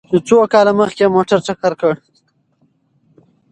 چې څو کاله مخکې يې موټر ټکر کړ؟